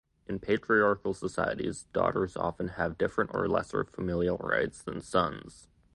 In patriarchal societies, daughters often have different or lesser familial rights than sons.